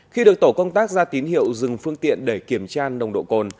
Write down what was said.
khi được tổ công tác ra tín hiệu dừng phương tiện để kiểm tra nồng độ cồn